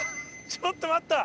ちょっと待った！